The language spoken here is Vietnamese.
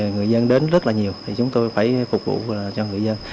người dân đến rất là nhiều thì chúng tôi phải phục vụ cho người dân